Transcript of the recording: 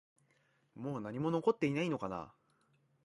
もう何も残っていないのかな？